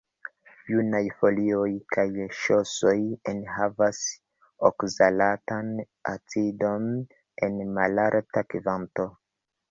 Junaj folioj kaj ŝosoj enhavas okzalatan acidon en malalta kvanto.